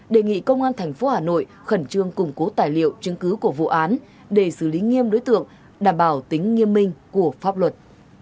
đề nghị công an tp hà nội khẩn trương củng cố tài liệu chứng cứ của vụ án để xử lý nghiêm đối tượng đảm bảo tính nghiêm minh của pháp luật